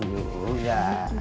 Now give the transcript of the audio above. nah dateng juga